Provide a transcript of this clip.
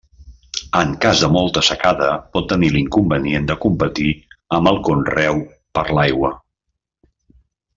En cas de molta secada pot tenir l'inconvenient de competir amb el conreu per l'aigua.